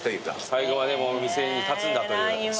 最後まで店に立つんだという。